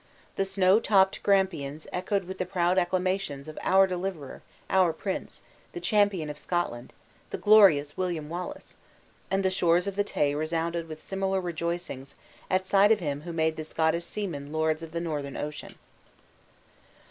The snow topped Grampians echoed with the proud acclamations of "Our deliverer," "Our prince," "The champion of Scotland," "The glorious William Wallace!" and the shores of the Tay resounded with similar rejoicings at sight of him who made the Scottish seamen lords of the Northern Ocean.